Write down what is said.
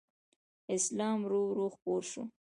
اسلام ورو ورو خپور شو